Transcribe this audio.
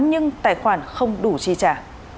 nhưng tài khoản không đủ chi trả